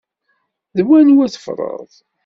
D wanwa tfeḍreḍ?